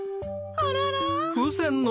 あらら。